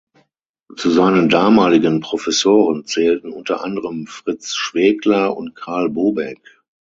Zu seinen damaligen Professoren zählten unter anderem Fritz Schwegler und Karl Bobeck.